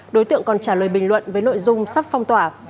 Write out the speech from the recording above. đối tượng còn trả lời bình luận với nội dung sắp phong tỏa